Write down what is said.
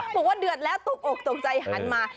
บอกว่าเดือดแล้วตกอกตกใจหันมา